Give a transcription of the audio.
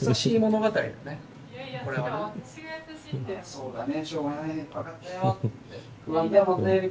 そうだね。